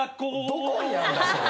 どこにあんだそれ